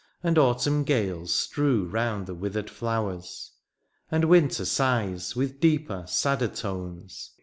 And autumn gales strew round the withered flowers. And winter sighs with deeper, sadder tones.